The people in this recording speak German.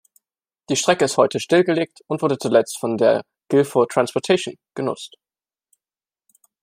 Die Strecke ist heute stillgelegt und wurde zuletzt von der Guilford Transportation genutzt.